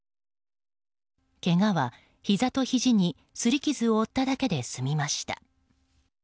けがは、ひざとひじにすり傷を負っただけで済みました。